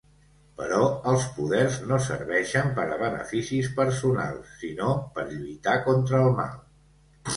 Però els poders no serveixen per a beneficis personals, sinó per lluitar contra el mal.